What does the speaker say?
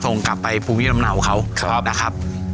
ส่งกลับไปภูมิลำเนาเขานะครับ